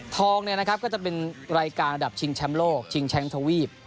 ทองเนี่ยนะครับก็จะเป็นรายการระดับชิงแชมโลกชิงแชงโทวีป